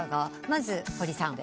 まず堀さん。